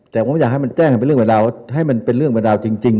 แต่ผมอยากให้มันแจ้งให้เป็นเรื่องเป็นราวให้มันเป็นเรื่องบรรดาวจริง